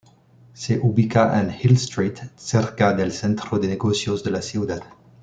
Se ubica en Hill Street, cerca del centro de negocios de la ciudad.